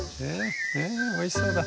えおいしそうだ。